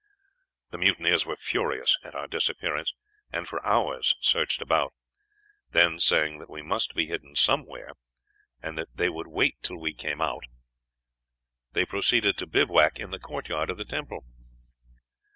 "The mutineers were furious at our disappearance, and for hours searched about. Then, saying that we must be hidden somewhere, and that they would wait till we came out, they proceeded to bivouac in the courtyard of the temple.